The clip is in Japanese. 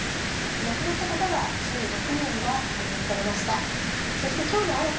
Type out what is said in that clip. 亡くなった方は１６人が確認されました。